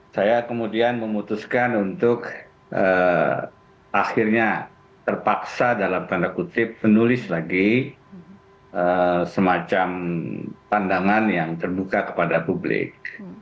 saya kemudian memutuskan untuk akhirnya terpaksa dalam tanda kutip menulis lagi semacam pandangan yang terbuka kepada publik